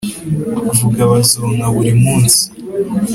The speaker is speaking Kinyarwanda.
vuga bazonka buri munsi